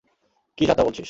কী যা-তা বলছিস?